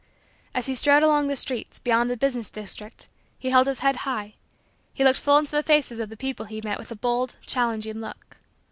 As he strode along the streets, beyond the business district, he held his head high, he looked full into the faces of the people he met with a bold challenging look.